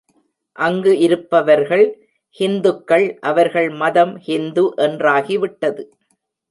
அங்கு இருப்பவர்கள் ஹிந்துக்கள், அவர்கள் மதம் ஹிந்து என்றாகிவிட்டது.